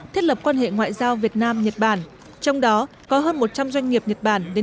thiết lập quan hệ ngoại giao việt nam nhật bản trong đó có hơn một trăm linh doanh nghiệp nhật bản đến